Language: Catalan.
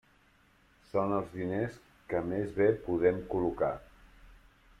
Són els diners que més bé podem col·locar.